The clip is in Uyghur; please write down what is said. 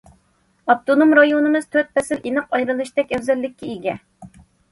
ئاپتونوم رايونىمىز تۆت پەسىل ئېنىق ئايرىلىشتەك ئەۋزەللىككە ئىگە.